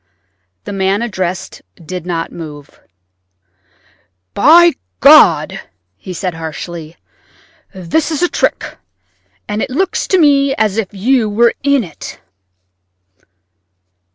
The man addressed did not move. "By God!" he said harshly, "this is a trick, and it looks to me as if you were in it."